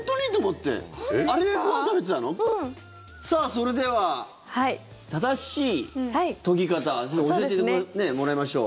それでは正しい研ぎ方教えてもらいましょう。